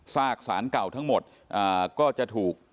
ซากสารเก่าทั้งหมดก็จะถูก